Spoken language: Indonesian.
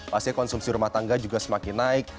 pasti konsumsi rumah tangga juga semakin naik